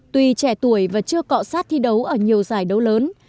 tùy trẻ tuổi và chưa cọ sát thi đấu ở nhiều giải đấu lớn